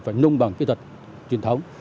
phải nung bằng kỹ thuật truyền thống